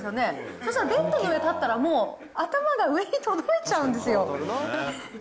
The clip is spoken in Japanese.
そしたらベッドの上に立ったら、もう、頭が上に届いちゃうんですよ。